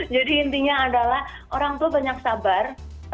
jadi intinya adalah orang tua banyak sabar